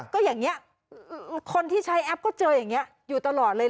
ก็อย่างนี้คนที่ใช้แอปก็เจออย่างนี้อยู่ตลอดเลย